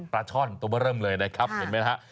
ปลาช่อนตัวมาเริ่มเลยนะครับเห็นไหมนะครับ